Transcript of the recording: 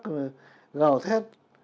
một bài hát gào thét